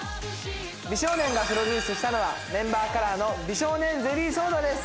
美少年がプロデュースしたのはメンバーカラーの美少年ゼリーソーダです。